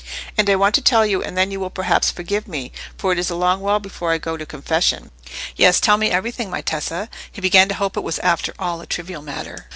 And I want to tell you, and then you will perhaps forgive me, for it is a long while before I go to confession." "Yes, tell me everything, my Tessa." He began to hope it was after all a trivial matter.